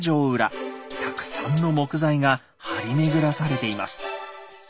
たくさんの木材が張り巡らされています。